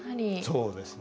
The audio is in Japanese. そうですね。